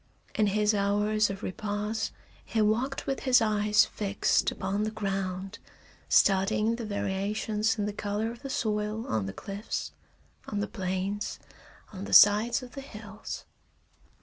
In his hours of repose he walked with his eyes fixed upon the ground, studying the variations in the color of the soil on the cliffs, on the plains, on the sides of the hills.